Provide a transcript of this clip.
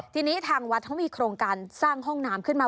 ทีนี้ทางวัดเขามีโครงการสร้างห้องน้ำขึ้นมา